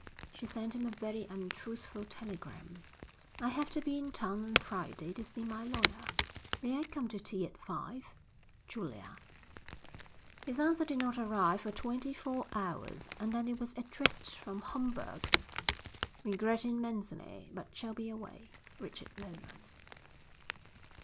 She sent him a very untruthful telegram. I have to be in town on Friday to see my lawyer. May I come to tea at five? Julia. His answer did not arrive for twenty four hours, and then it was addressed from Homburg. Regret immensely, but shall be away. _Richard Lomas.